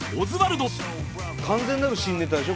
完全なる新ネタでしょ？